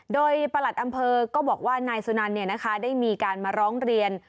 โดยประหลัดอำเภอก็บอกว่านายสุนันได้มีการมาร้องเรียน